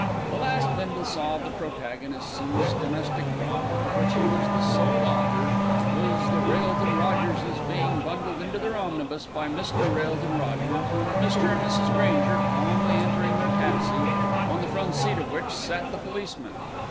The last Bindle saw of the protagonists in this domestic drama, of which he was the sole author, was the Railton Rogerses being bundled into their omnibus by Mr. Railton Rogers, and Mr. and Mrs. Granger calmly entering their taxi, on the front seat of which sat the policeman.